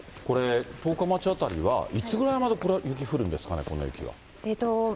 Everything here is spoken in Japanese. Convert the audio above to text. これ、十日町辺りは、いつぐらいまで、これ雪が降るんですかね、この雪が。